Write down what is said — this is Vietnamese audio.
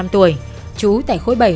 ba mươi năm tuổi chú tại khối bảy